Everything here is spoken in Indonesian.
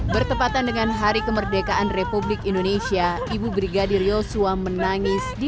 bertepatan dengan hari kemerdekaan republik indonesia ibu brigadir yosua menangis di